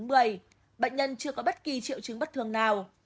bệnh nhân chưa có bất kỳ triệu chứng bất thường nào